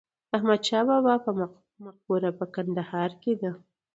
د احمدشاه بابا په مقبره په کندهار کې ده.